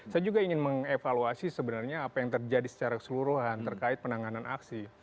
saya juga ingin mengevaluasi sebenarnya apa yang terjadi secara keseluruhan terkait penanganan aksi